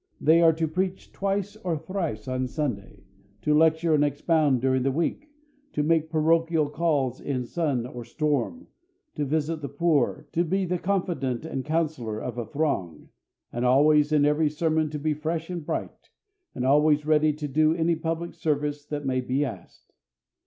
They are to preach twice or thrice on Sunday, to lecture and expound during the week, to make parochial calls in sun or storm, to visit the poor, to be the confidant and counsellor of a throng, and always in every sermon to be fresh and bright, and always ready to do any public service that may be asked.